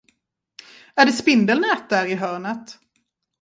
Är det spindelnät där i hörnet?